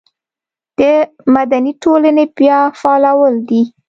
د مدني ټولنې بیا فعالول دي.